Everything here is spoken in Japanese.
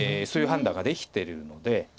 そういう判断ができてるので。